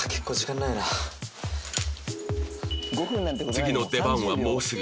次の出番はもうすぐ